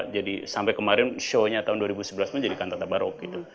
jadi sampai kemarin show nya tahun dua ribu sebelas menjadi kantata barok gitu